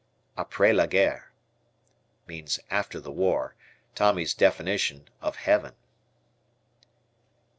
"Apres la Guerre." "After the war." Tommy's definition of Heaven.